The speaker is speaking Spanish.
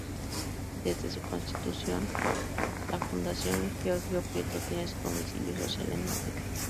Desde su constitución, la Fundación Gregorio Prieto tiene su domicilio social en Madrid.